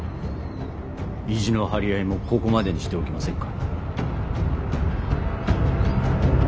意地の張り合いもここまでにしておきませんか。